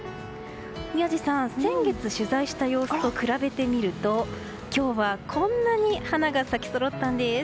宮司さん、先月取材した様子と比べてみると今日はこんなに花が咲きそろったんです。